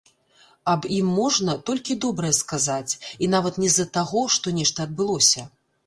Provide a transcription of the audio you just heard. Аб ім можна толькі добрае сказаць, і нават не з-за таго, што нешта адбылося.